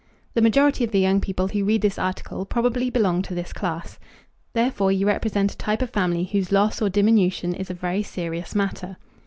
The majority of the young people who read this article probably belong to this class. Therefore you represent a type of family whose loss or diminution is a very serious matter.